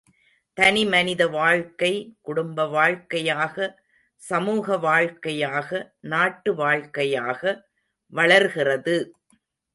தனி மனித வாழ்க்கை, குடும்ப வாழ்க்கையாக சமூக வாழ்க்கையாக, நாட்டு வாழ்க்கையாக வளர்கிறது!